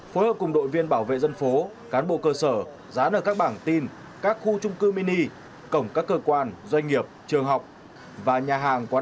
phối hợp cùng đội viên bảo vệ dân phố cán bộ cơ sở dán ở các bảng tin các khu trung cư mini cổng các cơ quan doanh nghiệp trường học và nhà hàng quán ăn